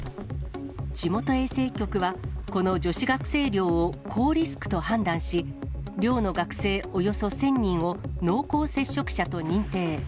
地元衛生局は、この女子学生寮を高リスクと判断し、寮の学生およそ１０００人を濃厚接触者と認定。